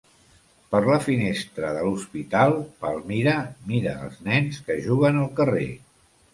Per la finestra de l'hospital, Palmira mira els nens que juguen al carrer.